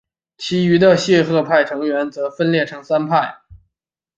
其余的谢赫派成员则分裂成三派。